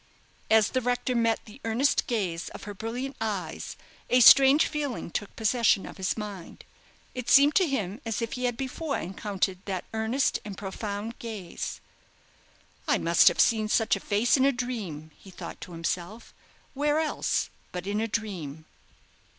As the rector met the earnest gaze of her brilliant eyes, a strange feeling took possession of his mind. It seemed to him, as if he had before encountered that earnest and profound gaze. "I must have seen such a face in a dream," he thought to himself; "where else but in a dream?"